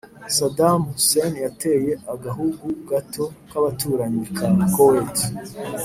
saddam hussein giteye agahugu gato k'abaturanyi ka koweit